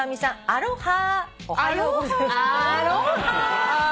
アロハ！